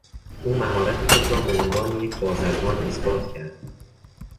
او مهارت خود را به عنوان یک بازرگان اثبات کرد.